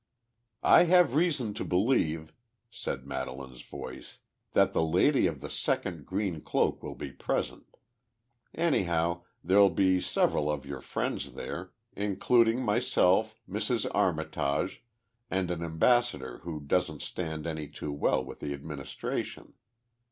"I have reason to believe," said Madelaine's voice, "that the lady of the second green cloak will be present. Anyhow, there'll be several of your friends there including myself, Mrs. Armitage, and an ambassador who doesn't stand any too well with the Administration.